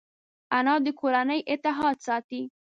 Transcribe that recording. انا د کورنۍ اتحاد ساتي